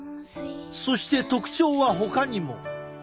そして特徴はほかにも。